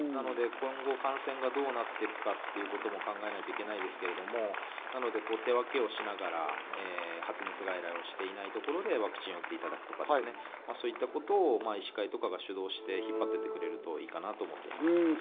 今後、感染がどうなっていくかということも考えなきゃいけないですけど、手分けをしながら発熱外来をしていないところでワクチンを打っていただくとか、そういうことを医師会とかが主導して引っ張っていってくれるといいかなと思います。